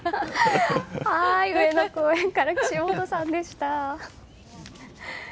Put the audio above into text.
上野公園から岸本さんでした。